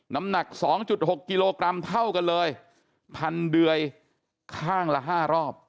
น้ำหนักสองจุดหกกิโลกรัมเท่ากันเลยพันเดือยข้างละห้ารอบ